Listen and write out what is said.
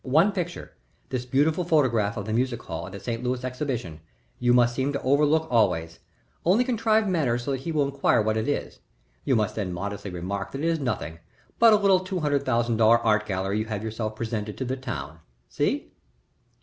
One picture this beautiful photograph of the music hall at the St. Louis Exhibition you must seem to overlook always, only contrive matters so that he will inquire what it is. You must then modestly remark that it is nothing but a little two hundred thousand dollar art gallery you have yourself presented to the town. See?"